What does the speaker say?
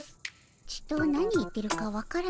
ちと何言ってるか分からぬの。